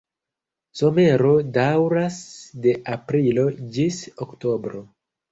Somero daŭras de aprilo ĝis oktobro.